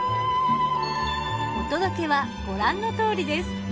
お届けはご覧のとおりです。